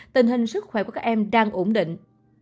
tình hình sức khỏe của các em đang ổn định